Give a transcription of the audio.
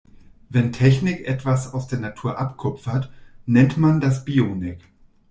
Wenn Technik etwas aus der Natur abkupfert, nennt man das Bionik.